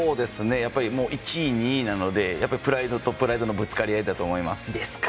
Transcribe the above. １位、２位なのでプライドとプライドのぶつかり合いだと思います。